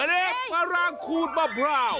อันนี้ฝรั่งคูดมะพราว